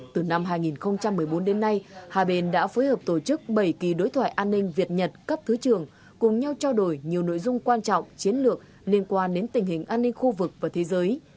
từ năm hai nghìn một mươi bốn đến nay hai bên đã phối hợp tổ chức bảy kỳ đối thoại an ninh việt nhật cấp thứ trưởng cùng nhau trao đổi nhiều nội dung quan trọng chiến lược liên quan đến tình hình an ninh khu vực và thế giới